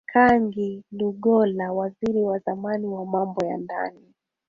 Kangi Lugola Waziri wa zamani wa Mambo ya Ndani